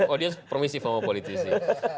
oh dia permisif sama politisi